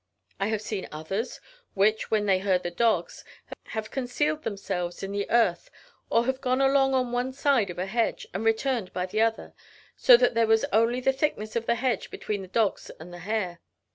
I have seen others, which, when they heard the dogs, have concealed themselves in the earth, or have gone along on one side of a hedge, and returned by the other, so that there was only the thickness of the hedge between the dogs and the hare.